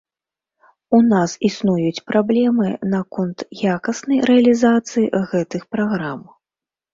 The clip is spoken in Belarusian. У нас існуюць праблемы наконт якаснай рэалізацыі гэтых праграм.